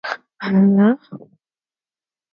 In the film, the performance is interrupted by violence.